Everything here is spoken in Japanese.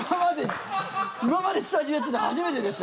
今までスタジオやってて初めてでした。